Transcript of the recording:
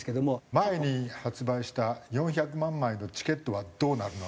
前に発売した４００万枚のチケットはどうなるの？